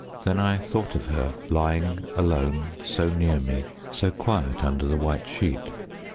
Then I thought of her, lying alone, so near me, so quiet under the white sheet.